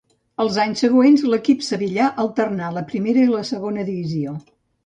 Els anys següents l'equip sevillà alterna la Primera i la Segona Divisió.